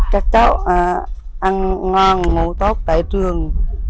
các cháu ăn ngon ngủ tốt tại trường